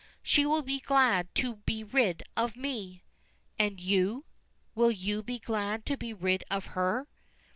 She will be glad to be rid of me." "And you will you be glad to be rid of her?"